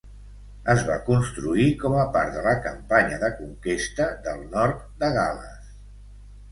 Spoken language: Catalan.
Es va construir com a part de la campanya de conquesta del nord de Gal·les.